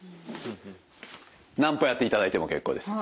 何歩やっていただいても結構です。